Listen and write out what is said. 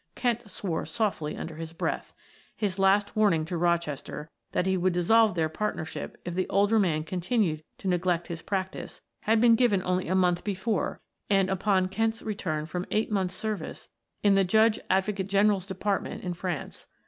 Kent swore softly under his breath; his last warning to Rochester, that he would dissolve their partnership if the older man continued to neglect his practice, had been given only a month before and upon Kent's return from eight months' service in the Judge Advocate General's Department in France.